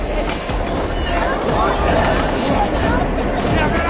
やめろ！